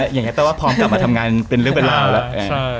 อย่างนี้ต้องก็ความกลับมาทำงานเป็นเรื่องเวลาแล้ว